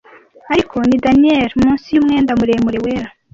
ariko ni daniel munsi yumwenda muremure wera